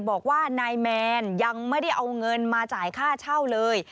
บอกว่านายแมนยังไม่ได้เอาเงินมาจ่ายค่าเช่าเลย